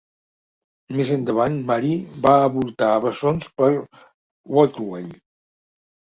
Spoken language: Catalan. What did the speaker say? Més endavant Mary va avortar bessons per Bothwell.